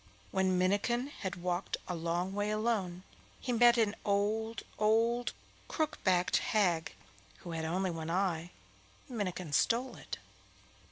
When Minnikin had walked a long way alone, he met an old, old crook backed hag, who had only one eye. Minnikin stole it.